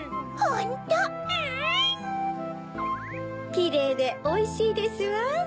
キレイでおいしいですわ。